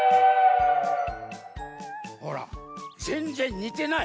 ほらぜんぜんにてない。